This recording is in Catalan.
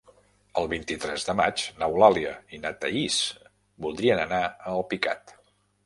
El vint-i-tres de maig n'Eulàlia i na Thaís voldrien anar a Alpicat.